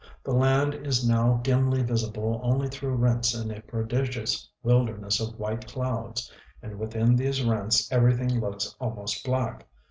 The land is now dimly visible only through rents in a prodigious wilderness of white clouds; and within these rents everything looks almost black....